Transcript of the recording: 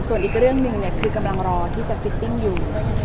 ส่วนอีกเรื่องหนึ่งคือกำลังรอที่จะฟิตติ้งอยู่